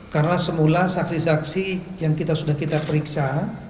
karena semula saksi saksi yang kita sudah kita periksa